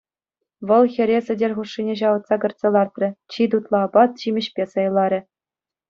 Вӑл хӗре сӗтел хушшине ҫавӑтса кӗртсе лартрӗ, чи тутлӑ апат-ҫимӗҫпе сӑйларӗ.